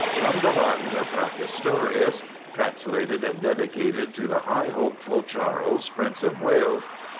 From the Latin of Fraca storius. Translated and dedicated to the High Hopefull Charles Prince of Wales.